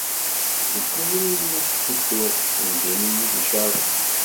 Deg ubrid ideg ttedduɣ, ndin-iyi ticerket.